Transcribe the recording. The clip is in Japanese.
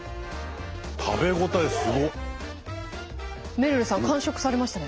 めるるさん完食されましたね。